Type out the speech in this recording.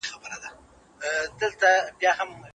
هر څه بايد و ازمايل سي.